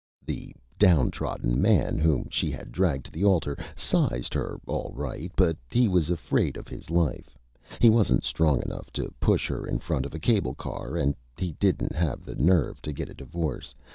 The Down Trodden Man, whom she had dragged to the Altar, sized Her all right, but he was afraid of his Life. He wasn't Strong enough to push Her in front of a Cable Car, and he didn't have the Nerve to get a Divorce.